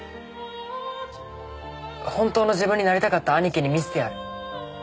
本当の自分になりたかった兄貴に見せてやる。